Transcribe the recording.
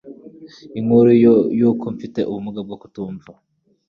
inkuru y'uko mfite ubumuga bwo kutumva.